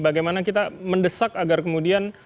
bagaimana kita mendesak agar kemudian